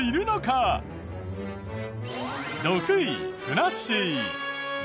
あとふなっしー。